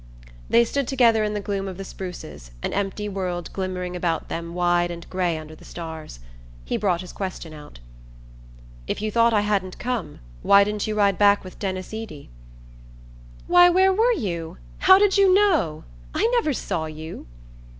They stood together in the gloom of the spruces, an empty world glimmering about them wide and grey under the stars. He brought his question out. "If you thought I hadn't come, why didn't you ride back with Denis Eady?" "Why, where were you? How did you know? I never saw you!"